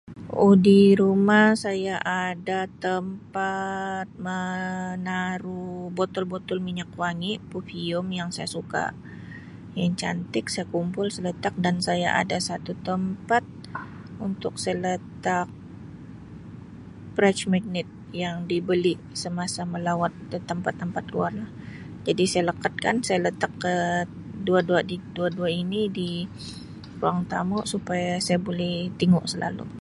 Oh di rumah saya ada tempat manaruh botol-botol minyak wangi perfume yang saya suka yang cantik saya kumpul saya letak dan saya ada satu tempat untuk saya letak fridge magnet yang dibeli semasa melawat da tampat-tampat luar lah jadi saya lekatkan saya letak ke dua dua dl ini di ruang tamu supaya saya boleh tengok selalu.